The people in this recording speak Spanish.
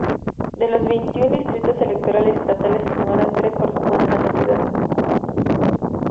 De los veintiún distritos electorales estatales de Sonora, tres corresponden a la ciudad.